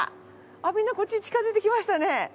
あっみんなこっちに近づいてきましたね。